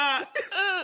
うん。